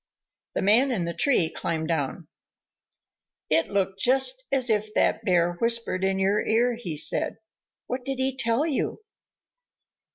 The Man in the tree climbed down. "It looked just as if that Bear whispered in your ear," he said. "What did he tell you?"